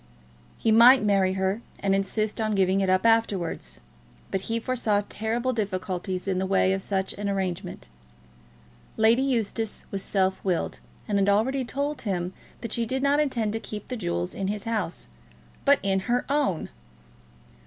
He might marry her, and insist on giving it up afterwards; but he foresaw terrible difficulties in the way of such an arrangement. Lady Eustace was self willed, and had already told him that she did not intend to keep the jewels in his house, but in her own!